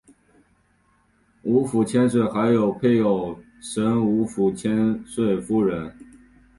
吴府千岁还有配偶神吴府千岁夫人。